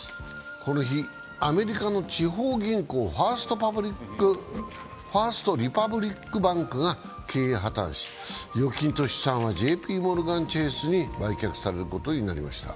この日、アメリカの地方銀行、ファースト・リパブリック・バンクが経営破綻し、預金と資産はＪＰモルガン・チェースに売却されることになりました。